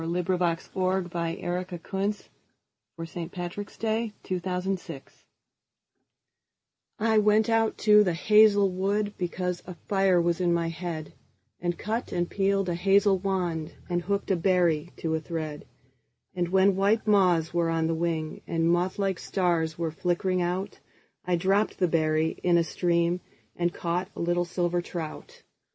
The Wind Among the Reeds. 1899. 9. The Song of Wandering Aengus I WENT out to the hazel wood, Because a fire was in my head, And cut and peeled a hazel wand, And hooked a berry to a thread; And when white moths were on the wing, And moth like stars were flickering out,I dropped the berry in a streamAnd caught a little silver trout.